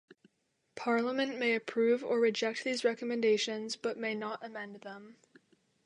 Parliament may approve or reject these recommendations, but may not amend them.